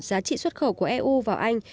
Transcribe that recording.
giá trị xuất khẩu của eu vào anh